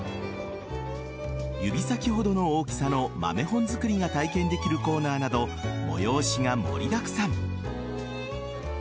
指先ほどの大きさの豆本作りが体験できるコーナーなど催しが盛りだくさん。